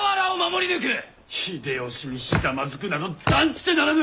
秀吉にひざまずくなど断じてならぬ！